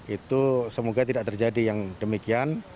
itu semoga tidak terjadi yang demikian